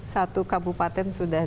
satu kabupaten sudah